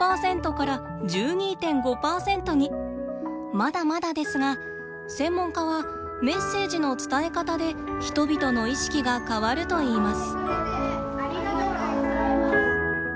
まだまだですが専門家はメッセージの伝え方で人々の意識が変わるといいます。